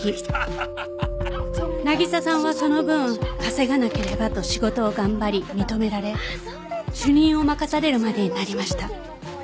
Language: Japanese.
凪咲さんはその分稼がなければと仕事を頑張り認められ主任を任されるまでになりました。